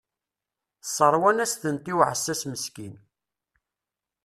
Sseṛwan-as-tent i uɛessas meskin.